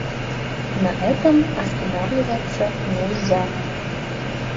На этом останавливаться нельзя.